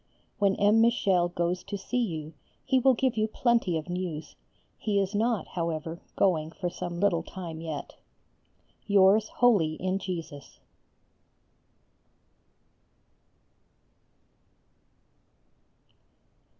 When M. Michel goes to see you he will give you plenty of news; he is not, however, going for some little time yet. Yours wholly in Jesus.